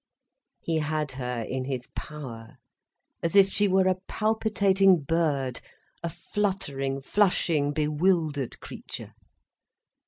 He had her in his power, as if she were a palpitating bird, a fluttering, flushing, bewildered creature.